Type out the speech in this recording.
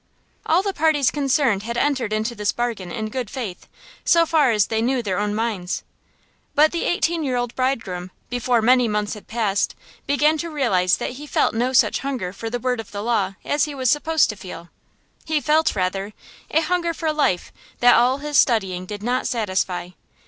All the parties concerned had entered into this bargain in good faith, so far as they knew their own minds. But the eighteen year old bridegroom, before many months had passed, began to realize that he felt no such hunger for the word of the Law as he was supposed to feel. He felt, rather, a hunger for life that all his studying did not satisfy.